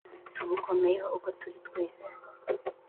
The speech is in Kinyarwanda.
Tubukomeyeho uko turi twese